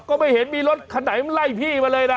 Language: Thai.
ก็ไม่เห็นมีรถคันไหนมันไล่พี่มาเลยนะ